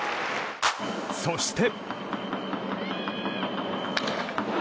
そして。